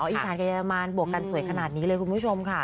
อีสานกับเรมันบวกกันสวยขนาดนี้เลยคุณผู้ชมค่ะ